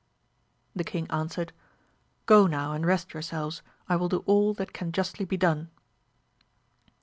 The king answered, go now and rest your selves, I will do all that can justly be done.